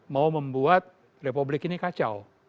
mau membuat republik ini kacau